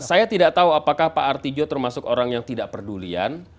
saya tidak tahu apakah pak artijo termasuk orang yang tidak pedulian